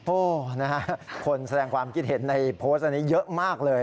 โอ้โหนะฮะคนแสดงความคิดเห็นในโพสต์อันนี้เยอะมากเลย